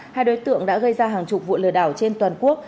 hai đối tượng đã gây ra hàng chục vụ lừa đảo trên toàn quốc